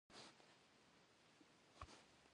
Zi têk'uenığer khamılhıte Murati zep'ezerıtş.